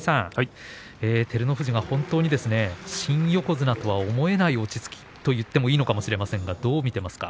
照ノ富士は本当に新横綱とは思えない落ち着きと言ってもいいのかもしれませんがどう見ていますか。